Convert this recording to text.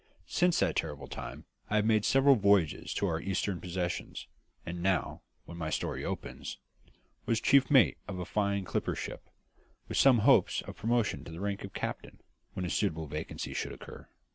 Since that terrible time I had made several voyages to our eastern possessions, and now, when my story opens, was chief mate of a fine clipper ship, with some hopes of promotion to the rank of "captain" when a suitable vacancy should occur.